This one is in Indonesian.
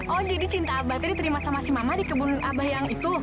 oh jadi cinta abah tadi diterima sama si mama di kebun abah yang itu